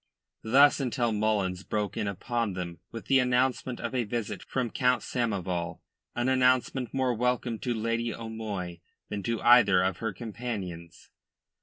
Thus until Mullins broke in upon them with the announcement of a visit from Count Samoval, an announcement more welcome to Lady O'Moy than to either of her companions.